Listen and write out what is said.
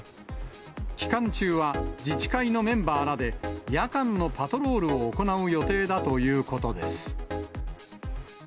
期間中は、自治会のメンバーらで夜間のパトロールを行う予定だということです。